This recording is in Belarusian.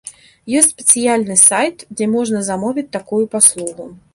Ёсць спецыяльны сайт, дзе можна замовіць такую паслугу.